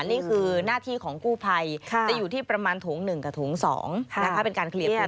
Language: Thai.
อันนี้คือน่าที่ของกู้ภัยจะอยู่ที่ประมาณถุง๑กับถุง๒เป็นการเคลียร์พื้นที่